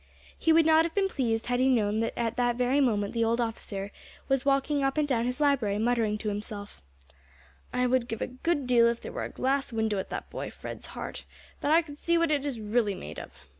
He would not have been pleased had he known that at that very moment the old officer was walking up and down his library, muttering to himself, "I would give a good deal if there were a glass window at that boy Fred's heart, that I could see what it is really made of.